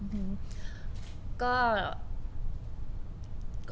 อื้ม